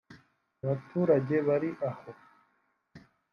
Abaturage bari aho